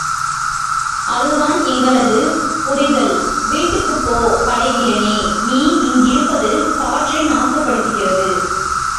அதுதான் எங்களது புரிதல் வீட்டுக்குப் போ படை வீரனே நீ இங்கிருப்பது காற்றை நாசப்படுத்துகிறது.